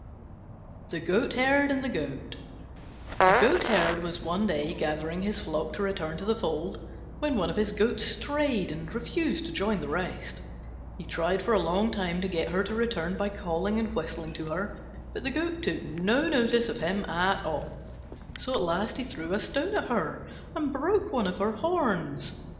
THE GOATHERD AND THE GOAT A Goatherd was one day gathering his flock to return to the fold, when one of his goats strayed and refused to join the rest. He tried for a long time to get her to return by calling and whistling to her, but the Goat took no notice of him at all; so at last he threw a stone at her and broke one of her horns.